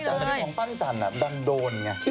พี่อาจารย์อันนี้ของปั้นจันดันโดนไง